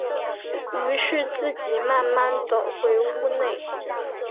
於是自己慢慢走回屋内